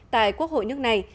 tại quốc hội nước này